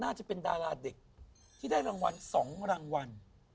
น่าจะเป็นดาราเด็กที่ได้รางวัล๒รางวัล